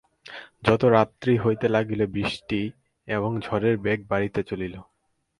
যত রাত্রি হইতে লাগিল বৃষ্টি এবং ঝড়ের বেগ বাড়িতে চলিল।